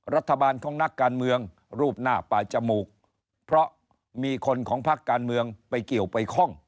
รัฐบาลของนักการเมืองรูปหน้าป่าจมูกเพราะมีคนของพักการเมืองไปเกี่ยวไปคล่อง